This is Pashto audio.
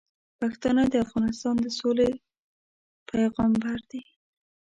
پښتانه د افغانستان د سولې پیغامبر دي.